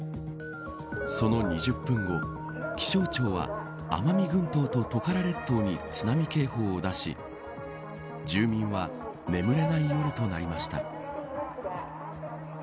その２０分後気象庁は奄美群島とトカラ列島に津波警報を出し住民は眠れない夜となりました。